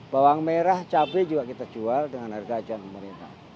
bawang merah cabai juga kita jual dengan harga pemerintah